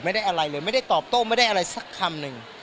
อะไรเลยไม่ได้ตอบโต้ไม่ได้อะไรสักคำหนึ่ง